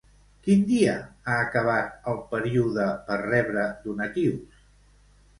Quin dia ha acabat el període per rebre donatius?